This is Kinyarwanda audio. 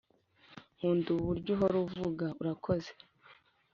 nkunda uburyo uhora uvuga "urakoze"